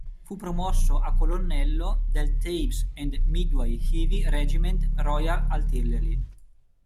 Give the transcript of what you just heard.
Fu promosso a colonnello del Thames and Medway Heavy Regiment Royal Artillery.